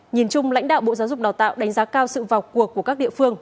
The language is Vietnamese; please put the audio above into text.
nhìn chung lãnh đạo bộ giáo dục đào tạo đánh giá cao sự vào cuộc của các địa phương